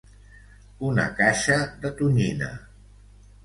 Una caixa de tonyina.